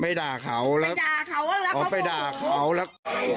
อ๋อไม่ด่าเขาแล้วไม่ด่าเขาแล้วเขาไปด่าเขาแล้ว